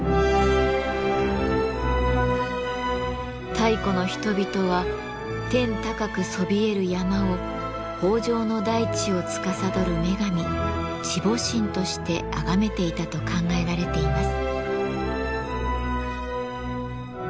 太古の人々は天高くそびえる山を豊穣の大地をつかさどる女神地母神としてあがめていたと考えられています。